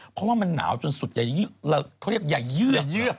เพราะว่ามันหนาวจนสุดเขาเรียกใหญ่เยือก